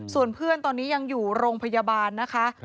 ส่วนเพื่อนตอนนี้ยังอยู่โรงพยาบาลนะคะ